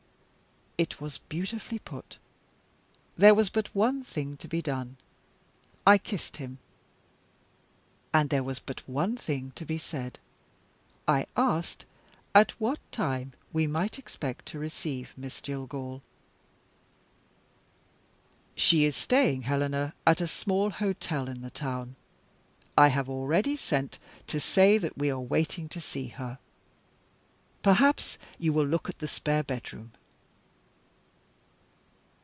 It was beautifully put. There was but one thing to be done I kissed him. And there was but one thing to be said. I asked at what time we might expect to receive Miss Jillgall. "She is staying, Helena, at a small hotel in the town. I have already sent to say that we are waiting to see her. Perhaps you will look at the spare bedroom?"